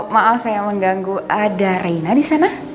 maaf saya mengganggu ada reina disana